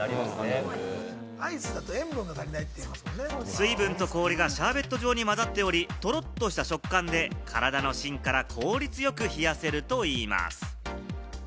水分と氷がシャーベット状に混ざっており、とろっとした食感で体の芯から効率よく冷やせるといいます。